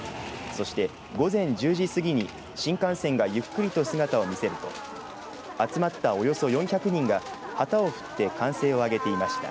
そして午前１０時過ぎに新幹線がゆっくりと姿を見せると集まったおよそ４００人が旗を振って歓声をあげていました。